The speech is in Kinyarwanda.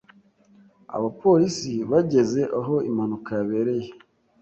Abapolisi bageze aho impanuka yabereye.